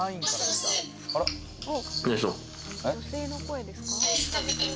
「女性の声ですか？」